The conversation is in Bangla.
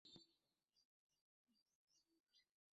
তারা কী কেউ জীবিত?